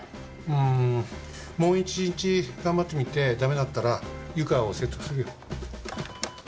うんもう１日頑張ってみてだめだったら湯川を説得するよ。